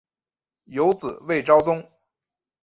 有子魏朝琮。